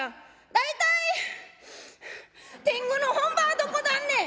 「大体天狗の本場はどこだんねん？」。